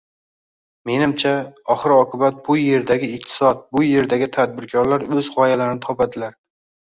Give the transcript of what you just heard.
Menimcha, oxir-oqibat bu yerdagi iqtisod, bu yerdagi tadbirkorlar oʻz gʻoyalarini topadilar.